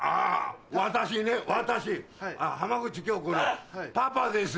私ね私浜口京子のパパです。